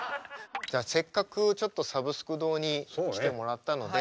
じゃあせっかくちょっとサブスク堂に来てもらったので。